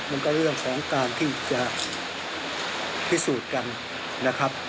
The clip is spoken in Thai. เรื่องของการที่จะพิสูจน์กันนะครับ